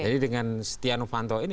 jadi dengan setia nufanto ini